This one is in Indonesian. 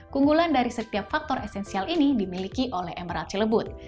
keunggulan dari setiap faktor esensial ini dimiliki oleh emerald cilebut